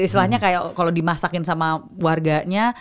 istilahnya kayak kalau dimasakin sama warganya